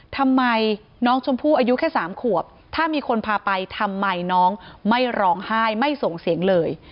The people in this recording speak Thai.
ทำไมน้องชมพู่อายุแค่๓ขวบถ้ามีคนพาไปทำไมน้องไม่ร้องไห้ไม่ส่งเสียงเลย